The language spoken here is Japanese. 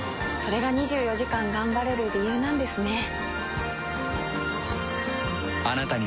れが２４時間頑張れる理由なんですね。